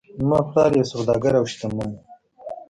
زما پلار یو سوداګر و او شتمن و.